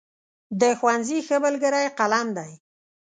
د ښوونځي ښه ملګری قلم دی.